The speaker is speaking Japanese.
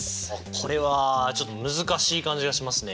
これはちょっと難しい感じがしますね。